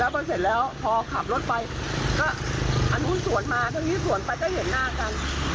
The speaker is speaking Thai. พอเสร็จแล้วพอขับรถไปก็อันนู้นสวนมาทางนี้สวนไปก็เห็นหน้ากัน